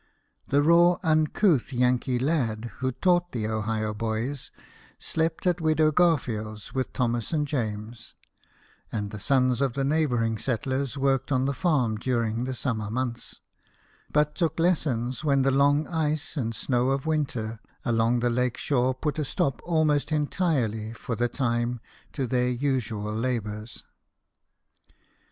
The raw, uncouth Yankee lad who taught the Ohio boys, slept at Widow Garfield's, with Thomas and James ; and the sons of the neighbouring settlers worked on the farm during the summer months, but took lessons when the long ice and snow of winter along the lake shore put a stop aLnost entirely for the time to their usual labours.